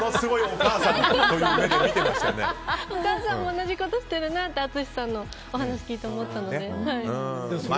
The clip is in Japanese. お母さんも同じことしてるなと淳さんのお話聞いて思ったので。